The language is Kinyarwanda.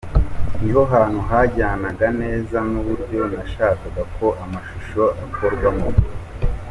Ni ho hantu hajyanaga neza n’uburyo nashakaga ko amashusho akorwamo.